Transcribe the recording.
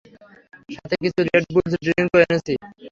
সাথে কিছু Red Bulls ড্রিংকও এনেছি।